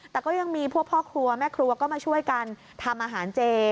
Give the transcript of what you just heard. แต่ก็ยังมีพวกพ่อครัวแม่ครัวก็มาช่วยกันทำอาหารเจ